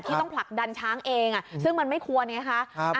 ต้องผลักดันช้างเองซึ่งมันไม่ควรไงคะ